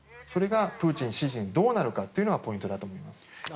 それがプーチン支持にどうなるのかというのがポイントだと思います。